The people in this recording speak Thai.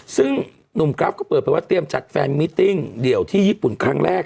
ซึ่งหนุ่มกราฟก็เปิดไปว่าเตรียมจัดแฟนมิติ้งเดี่ยวที่ญี่ปุ่นครั้งแรก